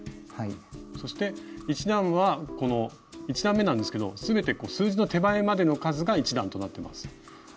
そして１段めなんですけど全て数字の手前までの数が１段となってます。